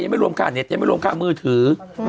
ไม่รวมค่าเน็ตยังไม่รวมค่ามือถือ